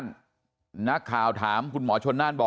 ขอบคุณเลยนะฮะคุณแพทองธานิปรบมือขอบคุณเลยนะฮะ